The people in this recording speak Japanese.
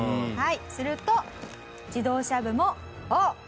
すると自動車部も。